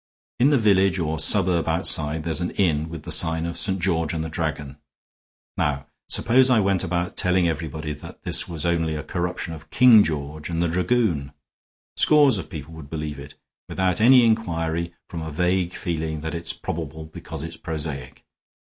In the village or suburb outside there's an inn with the sign of St. George and the Dragon. Now suppose I went about telling everybody that this was only a corruption of King George and the Dragoon. Scores of people would believe it, without any inquiry, from a vague feeling that it's probable because it's prosaic.